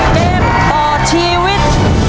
เกมต่อชีวิต